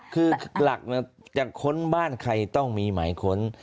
คือหลักจะค้นบ้านใครต้องมีหมายค้น